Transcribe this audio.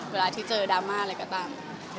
เวลาที่เจอดราม่าอะไรก็ตาม